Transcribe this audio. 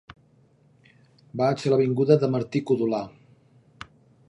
Vaig a l'avinguda de Martí-Codolar.